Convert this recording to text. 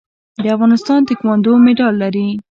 د افغانستان تکواندو مډال لري